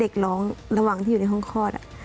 ร้องระหว่างที่อยู่ในห้องคลอด